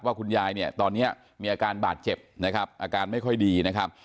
คุณยายเนี่ยตอนนี้มีอาการบาดเจ็บนะครับอาการไม่ค่อยดีนะครับ